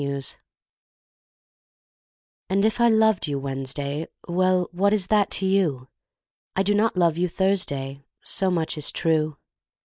Thursday AND if I loved you Wednesday, Well, what is that to you? I do not love you Thursday So much is true.